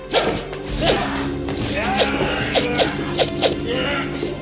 kau berani masuk tanpa si izin itu